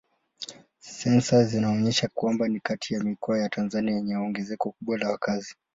Sensa zinaonyesha kwamba ni kati ya mikoa ya Tanzania yenye ongezeko kubwa la wakazi.